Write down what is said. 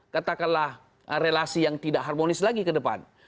katakanlah relasi yang tidak harmonis lagi ke depan